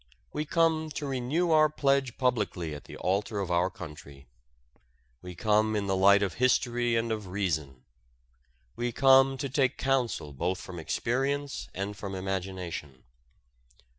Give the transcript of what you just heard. We come to renew our pledge publicly at the altar of our country. We come in the light of history and of reason. We come to take counsel both from experience and from imagination.